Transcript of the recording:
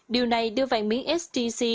điều này đưa vàng miếng sjc